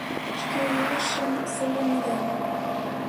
— Шке илышем саемдем: